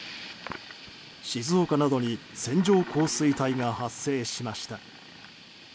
静岡などに線状降水帯が発生しました。